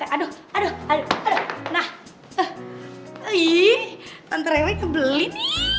aduh aduh aduh tadi liit